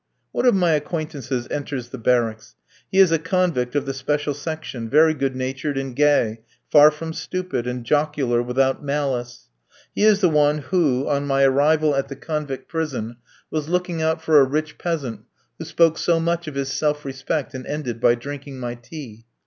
One of my acquaintances enters the barracks. He is a convict of the special section, very good natured, and gay, far from stupid, and jocular without malice. He is the man who, on my arrival at the convict prison, was looking out for a rich peasant, who spoke so much of his self respect, and ended by drinking my tea.